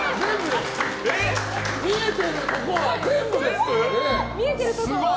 見てるとこは全部です！